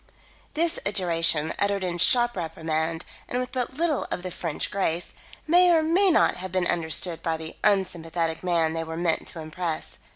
This adjuration, uttered in sharp reprimand and with but little of the French grace, may or may not have been understood by the unsympathetic man they were meant to impress.